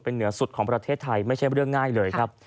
เหนือสุดของประเทศไทยไม่ใช่เรื่องง่ายเลยครับ